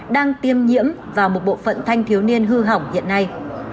đang tiêm nhiễm và một bộ phận thanh thiếu niên hư hỏng hiện nay